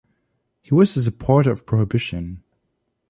He was a supporter of prohibition.